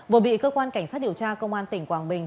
vừa bị cơ quan cảnh sát điều tra công an tỉnh quảng bình